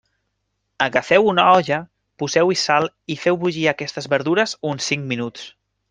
Agafeu una olla, poseu-hi sal i feu bullir aquestes verdures uns cinc minuts.